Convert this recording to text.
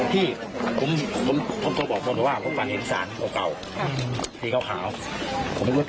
สีเก่าขาวผมไม่รู้ว่าตัวนี้หรือเปล่านะคือว่าต้องหินแล้วก็ทำออกไป